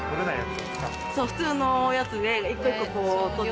そう普通のやつで。